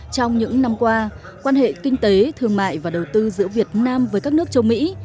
trong những năm qua quan hệ kinh tế thương mại và đầu tư giữa việt nam với các nước châu mỹ